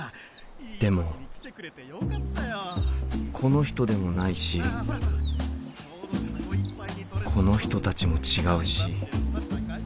でもこの人でもないしこの人たちも違うし。